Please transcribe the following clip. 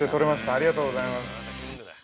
ありがとうございます。